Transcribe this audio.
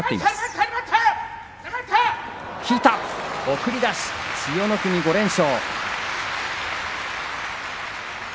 送り出し千代の国５連勝。